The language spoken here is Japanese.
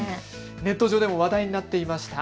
ネット上でも話題になっていました。